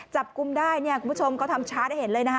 จับกลุ่มได้คุณผู้ชมก็ทำช้าจะเห็นเลย